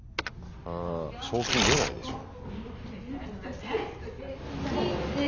賞金出ないでしょう。